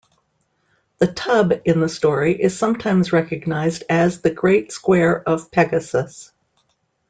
The tub in the story is sometimes recognized as the Great Square of Pegasus.